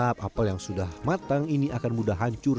sebab apel yang sudah matang ini akan mudah hancur